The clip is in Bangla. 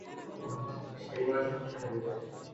স্টেডিয়ামে সাপ ছেড়ে দেব।